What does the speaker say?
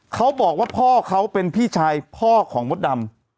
เขาบอกว่าพ่อเขาเป็นพี่ชายพ่อของมดดำ